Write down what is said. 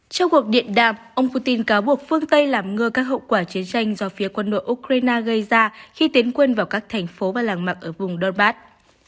trong cuộc điện đạp ông putin cáo buộc phương tây làm ngừa các hậu quả chiến tranh do phía quân đội ukraine gây ra khi tiến quân vào các thành phố và làng mạc ở vùng donbass